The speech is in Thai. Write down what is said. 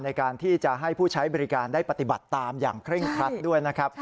ในการที่จะให้ผู้ใช้บริการได้ปฏิบัติตามอย่างเคร่งครัดด้วยนะครับ